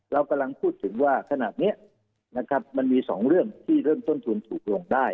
เรากำลังพูดถึงว่าขนาดนี้นะครับมันมี๒เรื่องที่เริ่มต้นทุนถูกลงได้